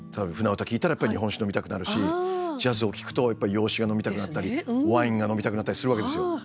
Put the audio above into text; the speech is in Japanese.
聴いたらやっぱり日本酒飲みたくなるしジャズを聴くとやっぱり洋酒が飲みたくなったりワインが飲みたくなったりするわけですよ。